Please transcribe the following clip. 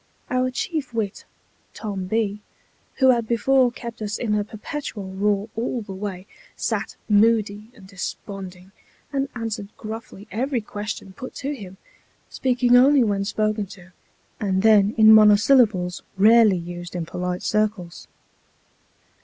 Our chief wit, Tom B , who had before kept us in a perpetual roar all the way, sat moody and desponding, and answered gruffly every question put to him; speaking only when spoken to, and then in monosyllables rarely used in polite circles.